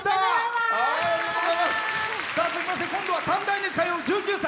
続きまして今度は短大に通う１９歳。